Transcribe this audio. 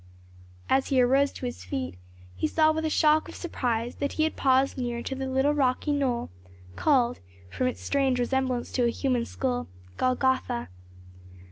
As he arose to his feet he saw with a shock of surprise that he had paused near to the little rocky knoll, called, from its strange resemblance to a human skull, Golgotha.